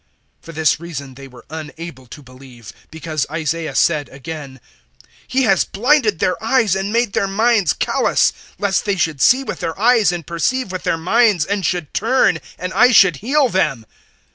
012:039 For this reason they were unable to believe because Isaiah said again, 012:040 "He has blinded their eyes and made their minds callous, lest they should see with their eyes and perceive with their minds, and should turn, and I should heal them."